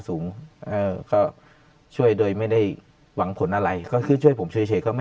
เออก็ช่วยโดยไม่ได้หวังผลอะไรก็คือช่วยผมเฉยก็ไม่